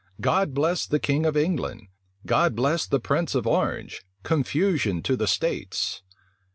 "God bless the king of England! God bless the prince of Orange! Confusion to the states!"